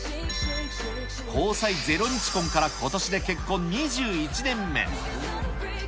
交際０日婚から、ことしで結婚２１年目。